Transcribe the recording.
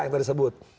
yang tadi sebut